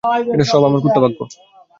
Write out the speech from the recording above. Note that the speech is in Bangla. সব আমার কুত্তা ভাগ্য।